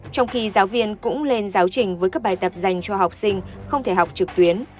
trong khi giáo viên cũng lên giáo trình với các bài tập dành cho học sinh không thể học trực tuyến